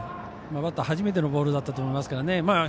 バッター初めてのボールだったと思いますから。